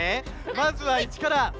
まずは１からせの！